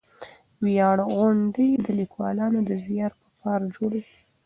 ویاړ غونډې د لیکوالو د زیار په پار جوړېږي.